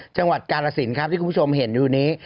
จังหวัดกาลสินครับที่คุณผู้ชมเห็นอยู่นี้